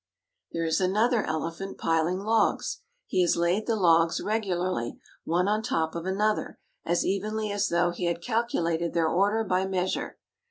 There is another elephant piling logs. He has laid the logs regularly, one on top of another, as evenly as though he had calculated their order by measure.